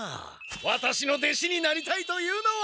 ワタシの弟子になりたいというのは。